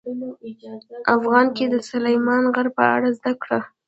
افغانستان کې د سلیمان غر په اړه زده کړه.